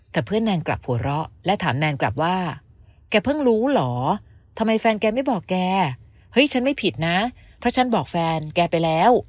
แต่เพื่อนแนนกลับหัวเราะและถามแนนกลับว่าแกเพิ่งรู้เหรอทำไมแฟนแกไม่บอกแกเฮ้ยฉันไม่ผิดนะเพราะฉันบอกแฟนแกไปแล้ว